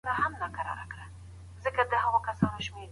دا وطن په وينو جوړ دی.